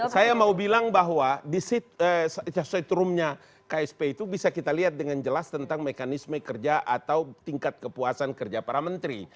saya mau bilang bahwa di setrumnya ksp itu bisa kita lihat dengan jelas tentang mekanisme kerja atau tingkat kepuasan kerja para menteri